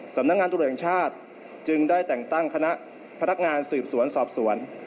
สำนักงานตรวจแห่งชาติจึงได้แต่งตั้งคณะพนักงานสืบสวนสอบสวน